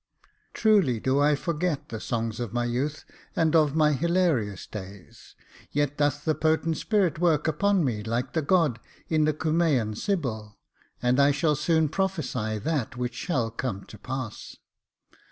" Truly do I forget the songs of my youth, and of my hilarious days ; yet doth the potent spirit work upon me like the god in the Cumean sybil ; and I shall soon prophesy that which shall come to pass."